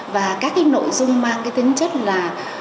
và các nội dung mang tính chất là